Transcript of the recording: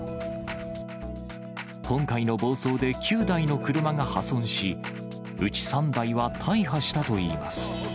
今回の暴走で９台の車が破損し、うち３台は大破したといいます。